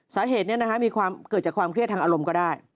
สาเหตุเกิดจากความเครียดทางอารมณ์ก็ได้